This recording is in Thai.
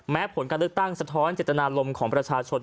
ผลการเลือกตั้งสะท้อนเจตนารมณ์ของประชาชน